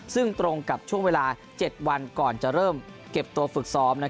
ซึ่งตรงกับช่วงเวลา๗วันก่อนจะเริ่มเก็บตัวฝึกซ้อม